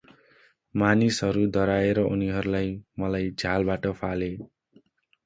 मानिसहरू डराएर उनीहरूले मलाई झ्यालबाट फाले ।”